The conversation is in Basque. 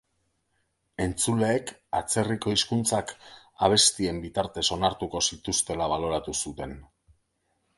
Entzuleek atzerriko hizkuntzak abestien bitartez onartuko zituztela baloratu zuten.